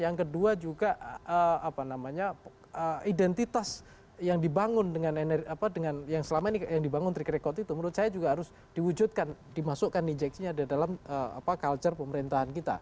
yang kedua juga apa namanya identitas yang dibangun dengan energi apa dengan yang selama ini yang dibangun trik rekod itu menurut saya juga harus diwujudkan dimasukkan injeksinya di dalam apa culture pemerintahan kita